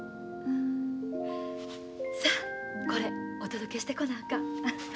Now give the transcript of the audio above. さあこれお届けしてこなあかん。